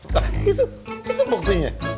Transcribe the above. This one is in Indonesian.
nah itu itu buktinya